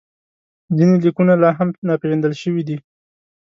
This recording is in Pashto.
ځینې لیکونه لا هم ناپېژندل شوي دي.